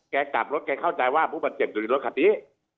แกกลับรถแกเข้าใจว่ามันเกิดเหตุด้วยรถขัดนี้